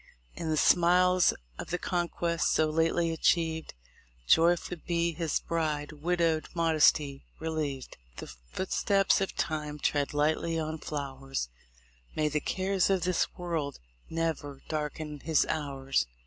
In the smiles of the conquest so lately achieved. Joyful be his bride, "widowed modesty" relieved, The footsteps of time tread lightly on flowers, May the cares of this world ne'er darken his hours!